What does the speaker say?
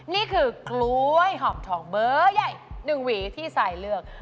นี่คือกล้วยหอมทองเบอร์ใหญ่๑หวีที่ทรายเลือก